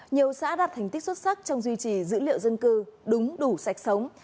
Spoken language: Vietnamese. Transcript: nhiều xã đạt thành tích xuất sắc trong duy trì dữ liệu dân cư đúng đủ sạch sống